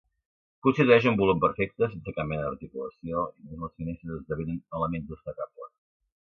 Constitueix un volum perfecte, sense cap mena d'articulació, i només les finestres esdevenen elements destacables.